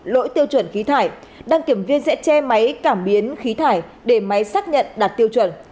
lỗi tiêu chuẩn khí thải đăng kiểm viên sẽ che máy cảm biến khí thải để máy xác nhận đạt tiêu chuẩn